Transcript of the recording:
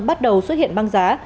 bắt đầu xuất hiện băng giá